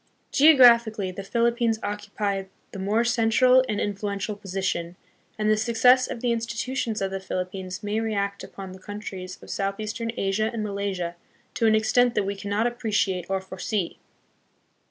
Geographically, the Philippines occupy the more central and influential position, and the success of the institutions of the Philippines may react upon the countries of southeastern Asia and Malaysia to an extent that we cannot appreciate or foresee.